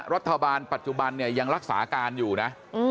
รัฐบาลปัจจุบันเนี่ยยังรักษาการอยู่นะ